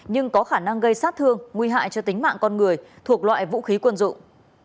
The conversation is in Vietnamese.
nhưng có khả năng gây sát thương nguy hại cho tính mạng con người thuộc loại vũ khí quân dụng